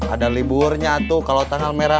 ada liburnya tuh kalau tanggal merah